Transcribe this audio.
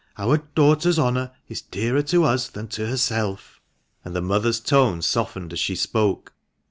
Our daughter's honour is dearer to us than to herself," and the mother's tone softened as she spoke.